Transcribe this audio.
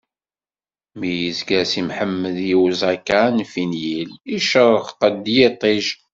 Mi yezger Si Mḥemmed i usaka n Finyil, icṛeq-d yiṭij.